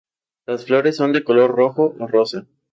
Las flores son de color rojo o rosa.